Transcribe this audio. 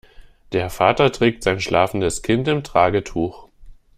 Der Vater trägt sein schlafendes Kind im Tragetuch.